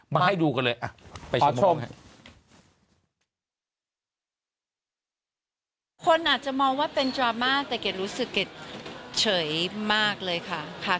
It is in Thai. มาให้ดูกันเลยไปชมครับ